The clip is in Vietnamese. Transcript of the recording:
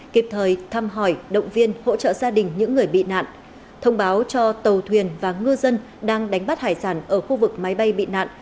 kịp thời thăm hỏi động viên hỗ trợ gia đình những người bị nạn thông báo cho tàu thuyền và ngư dân đang đánh bắt hải sản ở khu vực máy bay bị nạn